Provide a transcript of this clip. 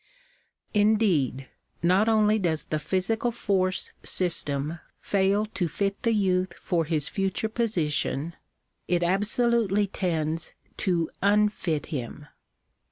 Indeed, not only does the physical force system fail to fit the youth for his future position ; it absolutely tends to un&t him.